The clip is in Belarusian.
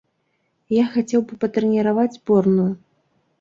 Я хацеў бы патрэніраваць зборную.